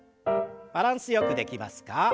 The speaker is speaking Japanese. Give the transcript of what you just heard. バランスよくできますか？